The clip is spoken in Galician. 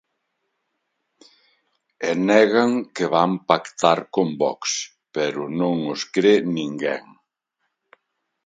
E negan que van pactar con Vox, pero non os cre ninguén.